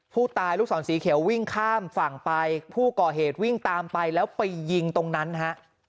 ลูกศรสีเขียววิ่งข้ามฝั่งไปผู้ก่อเหตุวิ่งตามไปแล้วไปยิงตรงนั้นฮะ